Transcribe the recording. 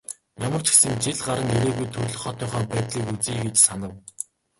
Ямар ч гэсэн жил гаран ирээгүй төрөлх хотынхоо байдлыг үзье гэж санав.